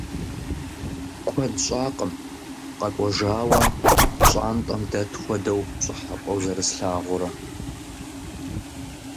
Куэд щӀакъым къэкӀуэжауэ пщӀантӀэм дэт хуэдэу пщӀыхьэпӀэу зэрилъагъурэ.